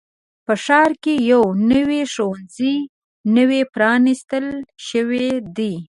په ښار کې یو نوي ښوونځی نوی پرانیستل شوی دی.